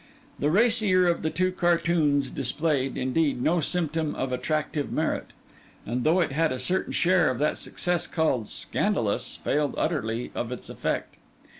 The racier of the two cartoons displayed, indeed, no symptom of attractive merit; and though it had a certain share of that success called scandalous, failed utterly of its effect.